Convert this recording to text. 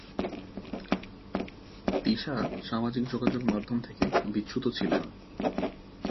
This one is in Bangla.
তিশা সামাজিক যোগাযোগ মাধ্যম থেকে বিচ্যুত ছিলেন।